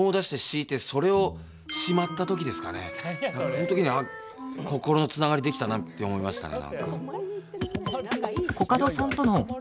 その時に心のつながりできたなって思いましたね。